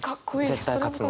絶対勝つので。